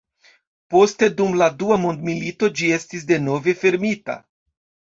Poste dum la dua mondmilito ĝi estis denove fermita.